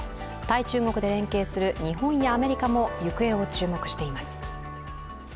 対中国で連携する日本やアメリカも注目しています。